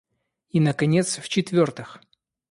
И, наконец, в-четвертых.